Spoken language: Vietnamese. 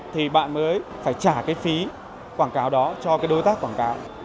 thì bạn mới phải trả phí quảng cáo đó cho đối tác quảng cáo